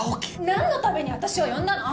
何のために私を呼んだの？